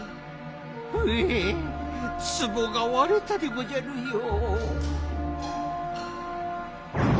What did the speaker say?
ほえツボがわれたでごじゃるよ。